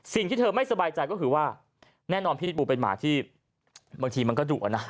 สิ่งที่เธอไม่สบายใจก็คือว่าแน่นอนพี่พิษบูเป็นหมาที่บางทีมันก็ดุอ่ะนะ